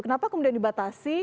kenapa kemudian dibatasi